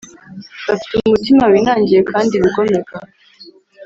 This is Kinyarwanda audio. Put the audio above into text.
bafite umutima winangiye kandi wigomeka